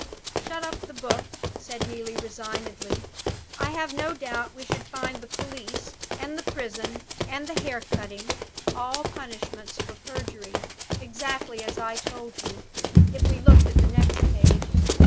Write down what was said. "Shut up the book," said Neelie, resignedly. "I have no doubt we should find the police, and the prison, and the hair cutting all punishments for perjury, exactly as I told you! if we looked at the next page.